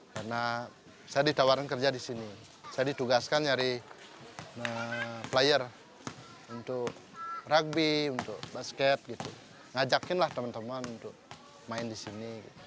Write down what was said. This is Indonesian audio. karena saya didawarkan kerja di sini saya ditugaskan nyari player untuk rugby untuk basket ngajakin lah teman teman untuk main di sini